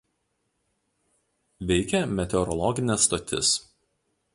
Veikia meteorologinė stotis.